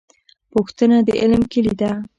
پوښتنه د علم کیلي ده